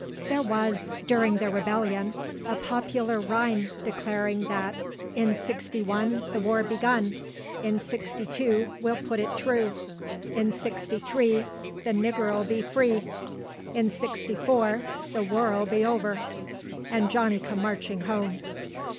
There was, during the rebellion, a popular rhyme declaring that "In Sixty one, the war begun; in Sixty two, we'll put it through; in Sixty three, the nigger'll be free; in Sixty four, the war'll be o'er and Johnny come marching home."